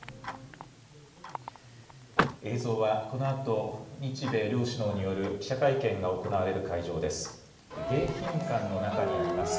映像はこのあと、日米両首脳による記者会見が行われる会場です。